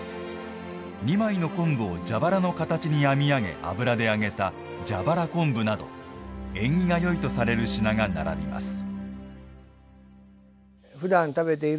２枚の昆布を蛇腹の形に編み上げ、油で揚げた蛇腹昆布など縁起が良いとされる品が並びます。